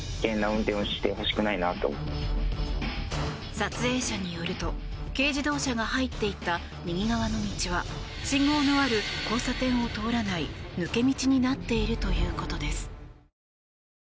撮影者によると軽自動車が入っていった右側の道は信号のある交差点を通らない抜け道になっているということです。